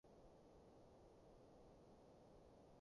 我想化個淡妝